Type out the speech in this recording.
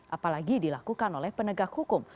apalagi dilakukan oleh penegak hukum